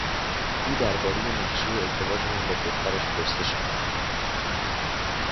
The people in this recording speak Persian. او دربارهی نقشهی ازدواج من با دخترش پرسش کرد.